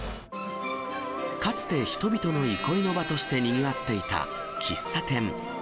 かつて、人々の憩いの場としてにぎわっていた喫茶店。